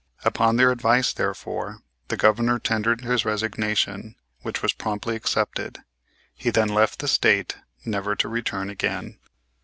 Upon their advice, therefore, the Governor tendered his resignation, which was promptly accepted. He then left the State never to return again.